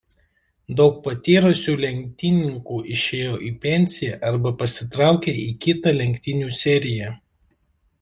Daug patyrusių lenktynininkų išėjo į pensiją arba pasitraukė į kitą lenktynių seriją.